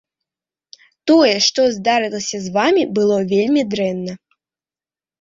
Тое, што здарылася з вамі, было вельмі дрэнна.